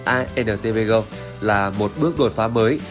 antv go là một bước đột phá mới